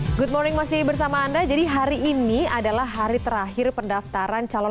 hai good morning masih bersama anda jadi hari ini adalah hari terakhir pendaftaran calon